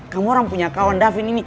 kamu orang punya kawan davin ini